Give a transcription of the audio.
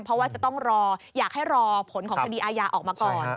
เพราะว่าจะต้องรออยากให้รอผลของคดีอาญาออกมาก่อน